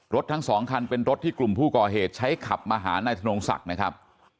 ทั้งสองคันเป็นรถที่กลุ่มผู้ก่อเหตุใช้ขับมาหานายธนงศักดิ์นะครับ